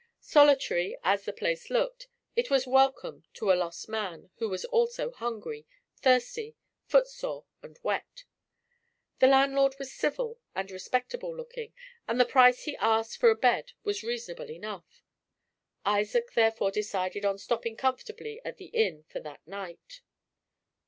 Solitary as the place looked, it was welcome to a lost man who was also hungry, thirsty, footsore and wet. The landlord was civil and respectable looking, and the price he asked for a bed was reasonable enough. Isaac therefore decided on stopping comfortably at the inn for that night.